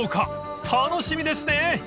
［楽しみですね！］